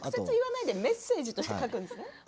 直接言わないでメッセージとして書くんですね。